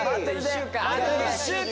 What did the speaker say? あと１週間！